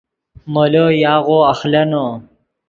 مولو یاغو اخلینو